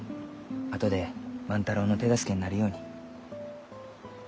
あとで万太郎の手助けになるように。